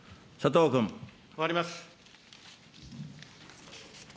終わります。